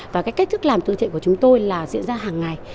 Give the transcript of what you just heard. và cái cách thức làm từ thiện của chúng tôi là diễn ra hàng ngày